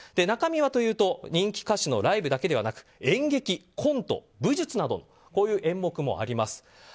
中身はというと人気歌手のライブだけではなく演劇、コント、武術などこういう演目もあります。